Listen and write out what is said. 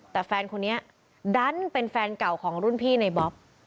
แต่แฟนคนนี้ดันเป็นแฟนเก่าของรุ่นพี่ในบ๊อบ